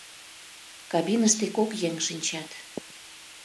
Кабиныште кок еҥ шинчат.